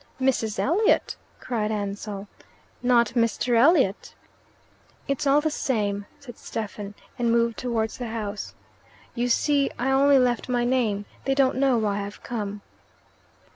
"Mrs. Elliot?" cried Ansell. "Not Mr. Elliot?" "It's all the same," said Stephen, and moved towards the house. "You see, I only left my name. They don't know why I've come."